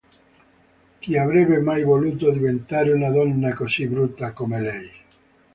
Chi avrebbe mai voluto diventare una donna così brutta come lei?